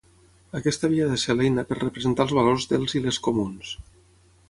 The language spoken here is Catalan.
Aquesta havia de ser l’eina per representar els valors dels i les comuns.